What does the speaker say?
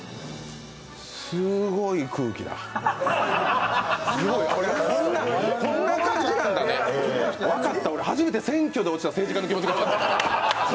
すごい空気だこんな感じなんだね、分かった、俺、初めて選挙で落ちた政治家の気持ちが分かった。